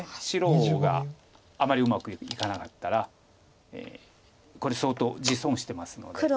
白があまりうまくいかなかったらこれ相当地損してますので。